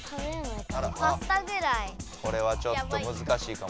これはちょっとむずかしいかも。